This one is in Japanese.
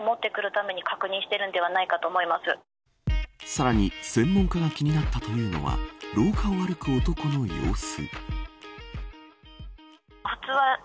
さらに専門家が気になったというのは廊下を歩く男の様子。